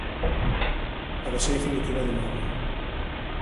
La versió definitiva d'una obra.